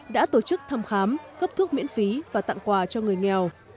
đã tổ chức thăm khám cấp thuốc miễn phí và tặng quà cho người nghèo